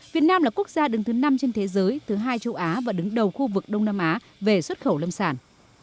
việt nam là quốc gia đứng thứ năm trên thế giới thứ hai châu á và đứng đầu khu vực đông nam á về xuất khẩu lâm sản